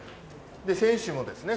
選手もですね